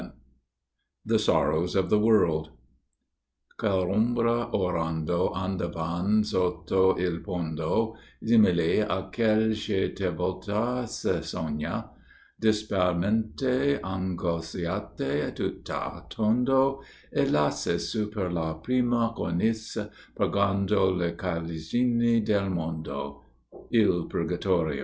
The Sorrows of the World "... quell' ombre orando, andavan sotto il pondo simile a quel che talvolta si sogna, disparmente angosciate tutte a tondo e lasse su per la prima cornice, purgando le caligine del mondo." _Il Purgatorio.